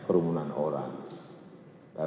kemudian juga kemudian juga ke tempat tempat yang banyak